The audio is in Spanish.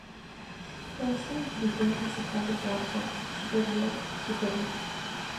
Eso incluyó el musical de Broadway Superior y Superior.